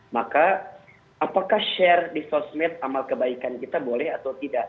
maka apakah share di sosmed amal kebaikan kita boleh atau tidak